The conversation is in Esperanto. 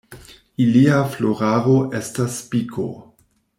Ilia floraro estas spiko.